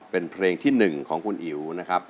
เป็นเพลงที่๑ของคุณอิ๋วนะครับ